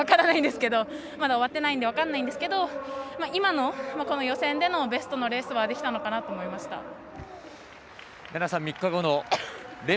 まだ終わってないので分からないですけど今のこの予選でのベストのレースはできたのかなと思いました。